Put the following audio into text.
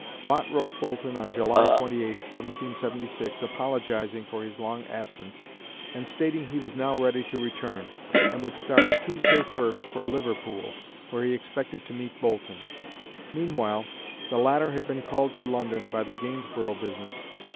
Watt wrote Boulton on July 28, 1776, apologising for his long absence and stating he was now ready to return, and would start "Tuesday first" for Liverpool, where he expected to meet Boulton. Meanwhile, the latter had been called to London by the Gainsborough business.